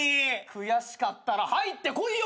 悔しかったら入ってこいよ。